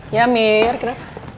ya mir kenapa